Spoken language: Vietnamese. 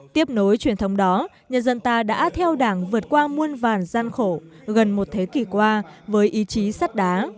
tiếp nối truyền thống đó nhân dân ta đã theo đảng vượt qua muôn vàn gian khổ gần một thế kỷ qua với ý chí sắt đá